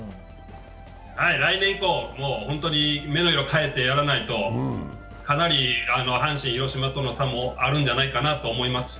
来年以降、本当に目の色変えてやらないと、かなり阪神、広島との差もあるんじゃないかと思いますし。